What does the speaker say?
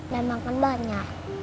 kan tadi merpati nya